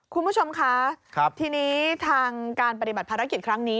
คุณผู้ชมคะทีนี้ทางการปฏิบัติภารกิจครั้งนี้